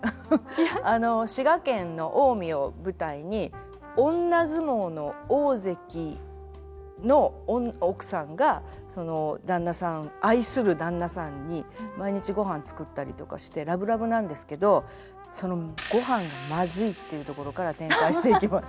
あの滋賀県の近江を舞台に女相撲の大関の奥さんがその旦那さん愛する旦那さんに毎日ごはん作ったりとかしてラブラブなんですけどそのごはんがまずいっていうところから展開していきます。